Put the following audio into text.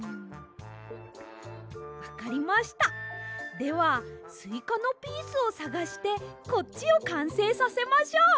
ではスイカのピースをさがしてこっちをかんせいさせましょう！